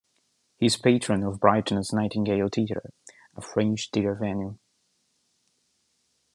He is patron of Brighton's Nightingale Theatre, a fringe theatre venue.